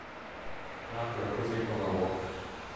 Nacquero così i Tomahawk.